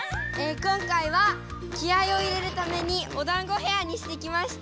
今回は気合いを入れるためにおだんごヘアーにしてきました。